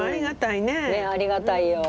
ねえありがたいよ。